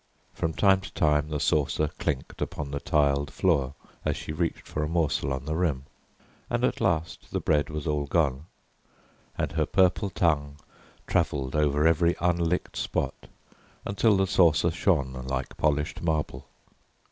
From time to time the saucer clinked upon the tiled floor as she reached for a morsel on the rim; and at last the bread was all gone, and her purple tongue travelled over every unlicked spot until the saucer shone like polished marble.